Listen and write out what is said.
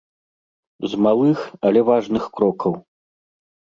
З малых, але важных крокаў.